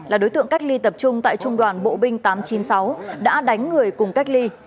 là đối tượng cách ly tập trung tại trung đoàn bộ binh tám trăm chín mươi sáu đã đánh người cùng cách ly